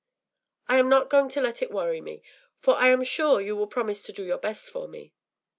But I am not going to let it worry me, for I am sure you will promise to do your best for me.